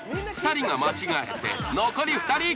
２人が間違えて残り２人。